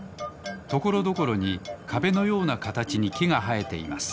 ところどころにかべのようなかたちにきがはえています